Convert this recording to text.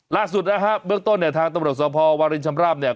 ล่าสุดนะฮะเบื้องต้นเนี่ยทางตะวัดสวพวริชมราบเนี่ย